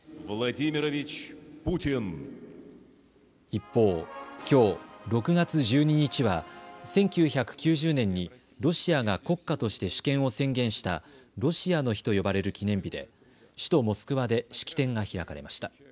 一方、きょう６月１２日は１９９０年にロシアが国家として主権を宣言したロシアの日と呼ばれる記念日で首都モスクワで式典が開かれました。